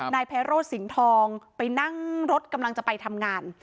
นายไพโรดสิงห์ทองไปนั่งรถกำลังจะไปทำงาน